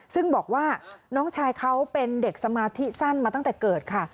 ซึ่งบอกว่าน้องชายเขาเป็นเด็กสมาธิสั้นมาตั้งแต่เกิดค่ะ